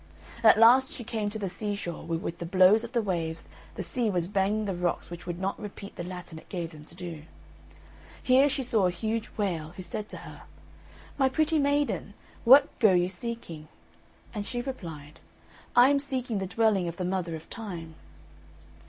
At last she came to the seashore, where with the blows of the waves the sea was banging the rocks which would not repeat the Latin it gave them to do. Here she saw a huge whale, who said to her, "My pretty maiden, what go you seeking?" And she replied, "I am seeking the dwelling of the Mother of Time."